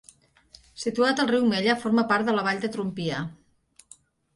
Situat al riu Mella, forma part de la vall de Trompia.